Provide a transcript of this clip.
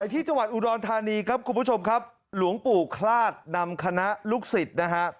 ที่จังหวัดอุดรธานีครับคุณผู้ชมครับหลวงปู่คลาดนำคณะลูกศิษย์นะฮะ